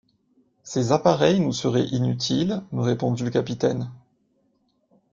Ces appareils nous seraient inutiles, me répondit le capitaine.